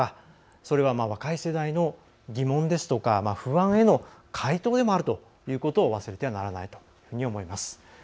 それは、若い世代の疑問ですとか不安への回答でもあるということを忘れてはならないというふうに思います。